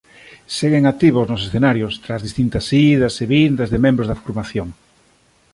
Seguen activos nos escenarios tras distintas idas e vindas de membros da formación.